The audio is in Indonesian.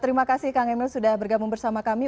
terima kasih anda sudah bergabung bersama kami